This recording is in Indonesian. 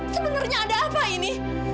sebenarnya ada apa ini